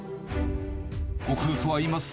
ご夫婦はいいます。